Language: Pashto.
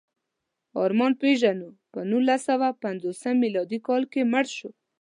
ارمان پيژو په نولسسوهپینځلسم مېلادي کال کې مړ شو.